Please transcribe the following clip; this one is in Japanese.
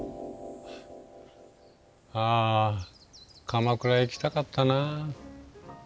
ああ鎌倉行きたかったなぁ。